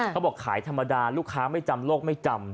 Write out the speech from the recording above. เขาบอกขายธรรมดาลูกค้าไม่จำโลกไม่จำ